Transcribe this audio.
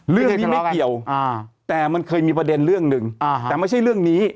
เรื่องนี้ไม่เกี่ยวแต่มันเคยมีประเด็นเรื่องหนึ่งแต่ไม่ใช่เรื่องนี้